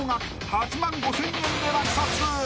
８万５，０００円で落札］